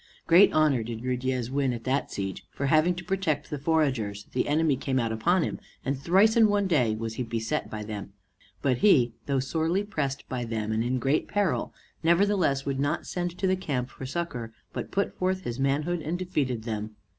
Great honor did Ruydiez win at that siege; for having to protect the foragers, the enemy came out upon him, and thrice in one day was he beset by them; but he, though sorely pressed by them, and in great peril, nevertheless would not send to the camp for succor, but put forth his manhood and defeated them.